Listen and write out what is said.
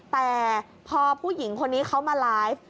แต่พอผู้หญิงคนนี้เขามาไลฟ์